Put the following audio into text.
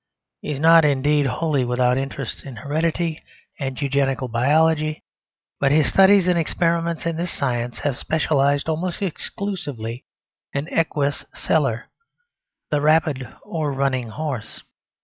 He is not indeed wholly without interest in heredity and Eugenical biology; but his studies and experiments in this science have specialised almost exclusively in equus celer, the rapid or running horse.